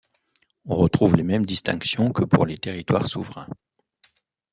On retrouve les mêmes distinctions que pour les territoires souverains.